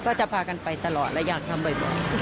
ก็จะพากันไปตลอดและอยากทำบ่อย